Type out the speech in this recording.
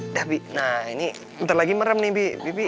udah bi nah ini bentar lagi merem nih bi